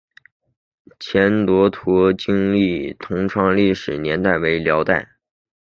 前南庄陀罗尼经幢的历史年代为辽代。